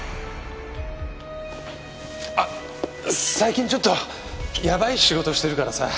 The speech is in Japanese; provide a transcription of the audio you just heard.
あっ最近ちょっとやばい仕事してるからさ。